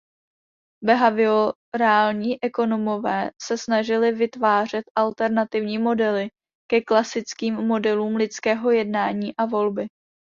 Behaviorální ekonomové se snažili vytvářet alternativní modely ke klasickým modelům lidského jednání a volby.